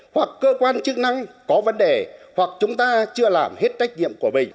hoặc cơ quan chức năng có vấn đề hoặc chúng ta chưa làm hết trách nhiệm của mình